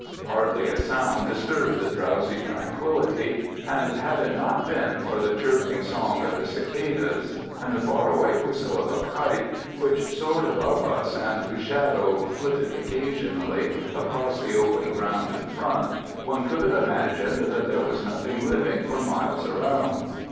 Hardly a sound disturbed the drowsy tranquillity, and had it not been for the chirping song of the cicalas and the far away whistle of a kite, which soared above us and whose shadow flitted occasionally across the open ground in front, one could have imagined that there was nothing living for miles around.